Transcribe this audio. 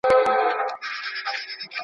د ماخذونو ښوول لوستونکو ته معلومات رسوي.